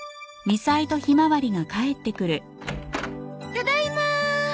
ただいま。